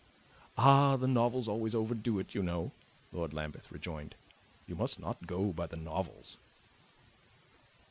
"Ah, the novels always overdo it, you know," Lord Lambeth rejoined. "You must not go by the novels."